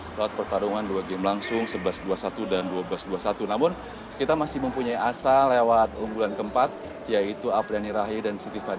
ini yang baru saja menyelesaikan pertandingan yang siang tadi juga harus mengakui keunggulan asal tiongkok chen qingchen jia yifan